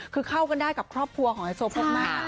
คือเข้ากันได้กับครอบครัวของไฮโซโพกมาก